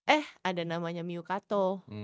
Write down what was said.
eh ada namanya miyukato